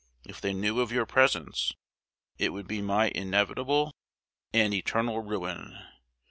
If they knew of your presence, it would be my inevitable and eternal ruin.